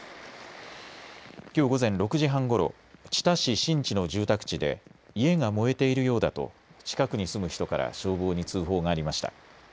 きょう午前６時半ごろ、知多市新知の住宅地で家が燃えているようだと近くに住む人から消防に通報がありました。